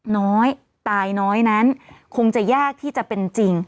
น้อยตายน้อยนั้นคงจะยากที่จะเป็นจริง